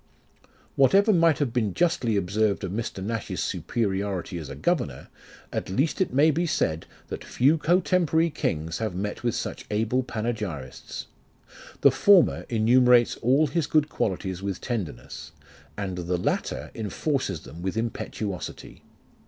Whatever might have been justly observed of Mr. Nash's superiority as a governor, at least it may be said, that few cotemporary kings have met with such able panegyrists. The former enumerates all his good qualities with tenderness, and the latter enforces them with impetuosity.